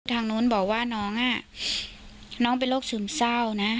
ทางนู้นบอกว่าน้องน้องเป็นโรคซึมเศร้านะ